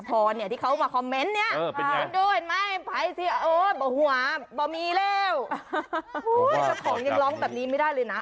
เจ้าของลองแบบนี้ไม่ได้เลยนะ